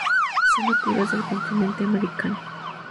Son nativas del continente americano.